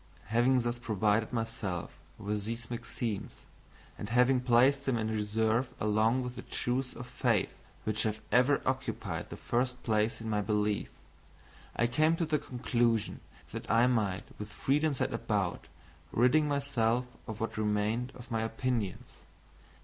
Having thus provided myself with these maxims, and having placed them in reserve along with the truths of faith, which have ever occupied the first place in my belief, I came to the conclusion that I might with freedom set about ridding myself of what remained of my opinions.